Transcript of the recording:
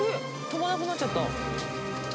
飛ばなくなっちゃった。